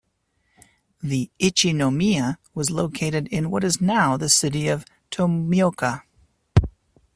The "ichinomiya" was located in what is now the city of Tomioka.